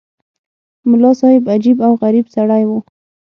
ملا صاحب عجیب او غریب سړی وو.